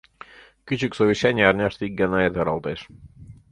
Кӱчык совещаний, арняште ик гана эртаралтеш.